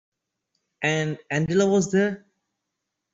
And Angela was there?